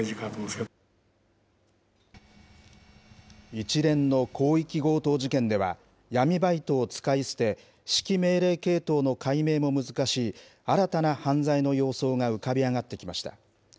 一連の広域強盗事件では、闇バイトを使い捨て、指揮命令系統の解明も難しい新たな犯罪の様相が浮かび上がってきました。